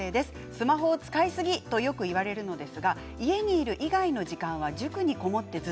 スマホを使いすぎとよく言われるのですが家にいるの時間はこもっている。